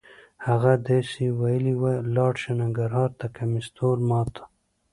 هغه داسې ویلې وه: لاړ شه ننګرهار ته کمیس تور ما ته.